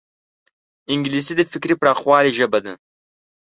انګلیسي د فکري پراخوالي ژبه ده